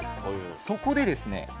そこでですね